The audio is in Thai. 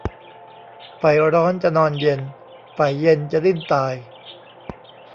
ใฝ่ร้อนจะนอนเย็น ใฝ่เย็นจะดิ้นตาย